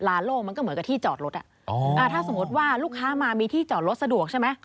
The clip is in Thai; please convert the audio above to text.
โล่งมันก็เหมือนกับที่จอดรถถ้าสมมติว่าลูกค้ามามีที่จอดรถสะดวกใช่ไหม